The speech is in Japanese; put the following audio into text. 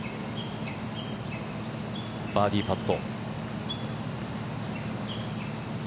バーディーパット。